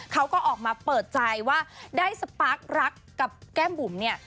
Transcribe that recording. เขาก็ออกมาเปิดใจว่าได้สปาร์ครักกับแก้มบุ๋มเนี่ย